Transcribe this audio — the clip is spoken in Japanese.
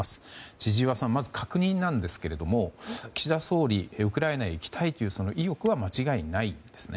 千々岩さん、まず確認なんですが岸田総理、ウクライナへ行きたいという意欲は間違いないんですね？